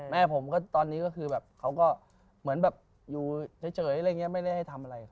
แม่ผมตอนนี้ก็คือแบบเขาก็เหมือนอยู่เฉยไม่ได้ให้ทำอะไร